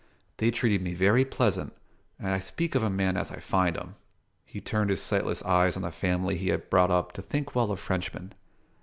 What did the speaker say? They treated me very pleasant, and I speak of a man as I find en." He turned his sightless eyes on the family he had brought up to think well of Frenchmen.